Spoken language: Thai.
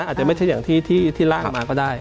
อาจจะไม่ใช่อย่างที่ร่างมาก็ได้